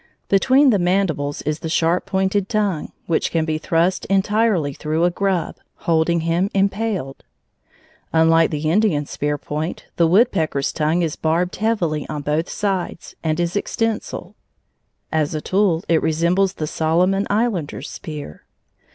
Between the mandibles is the sharp pointed tongue, which can be thrust entirely through a grub, holding him impaled. Unlike the Indian's spear point, the woodpecker's tongue is barbed heavily on both sides, and it is extensile. As a tool it resembles the Solomon Islander's spear.